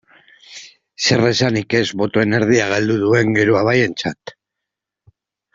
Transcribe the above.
Zeresanik ez botoen erdia galdu duen Geroa Bairentzat.